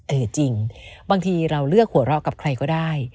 เออจริงบางทีเราเลือกหัวเราะกับใครก็ได้